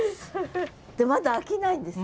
でまだ飽きないんですね？